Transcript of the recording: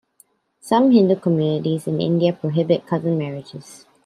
Some Hindu communities in India prohibit cousin marriages.